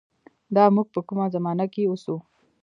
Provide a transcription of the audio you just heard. دا مونږ په کومه زمانه کښې اوسو